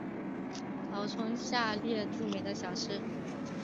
腾冲有下列著名的小吃。